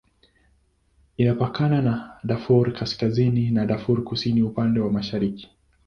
Inapakana na Darfur Kaskazini na Darfur Kusini upande wa mashariki.